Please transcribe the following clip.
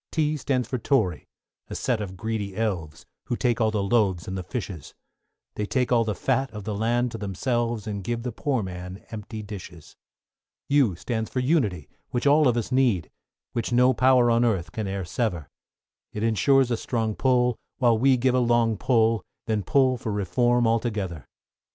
=T= stands for Tory, a set of greedy elves, Who take all the loaves and the fishes; They take all the fat of the land to themselves, And give the poor man empty dishes. =U= stands for Unity, which all of us need, Which no power on earth can e'er sever; It ensures a strong pull, while we give a long pull, Then pull for Reform altogether.